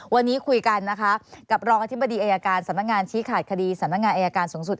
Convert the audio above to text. วันนี้คุยกันนะคะกับรองอธิบดีอายการสำนักงานชี้ขาดคดีสำนักงานอายการสูงสุด